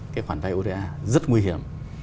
cái khoản vay oda rất nguy hiểm